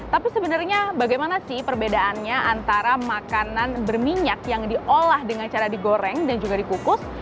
tapi sebenarnya bagaimana sih perbedaannya antara makanan berminyak yang diolah dengan cara digoreng dan juga dikukus